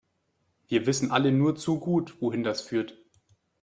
Wir wissen alle nur zu gut, wohin das führt.